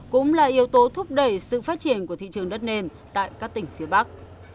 cũng là yếu tố thúc đẩy sự phát triển của thị trường đất nền tại các tỉnh phía bắc